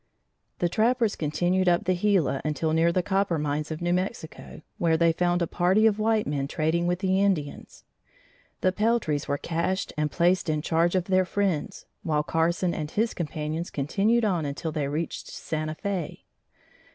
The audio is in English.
The trappers continued up the Gila until near the copper mines of New Mexico, where they found a party of white men trading with the Indians. The peltries were cached and placed in charge of their friends, while Carson and his companions continued on until they reached Santa Fe.